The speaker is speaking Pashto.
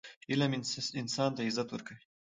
علم انسان ته عزت ورکوي.